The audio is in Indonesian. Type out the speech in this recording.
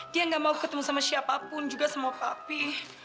dia gak mau ketemu sama siapapun juga sama papi